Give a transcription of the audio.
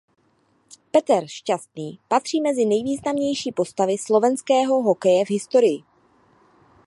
Peter Šťastný patří mezi nejvýznamnější postavy slovenského hokeje v historii.